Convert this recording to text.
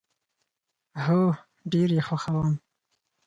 هو، ډیر یی خوښوم